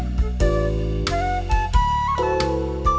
dia mencoba untuk mencoba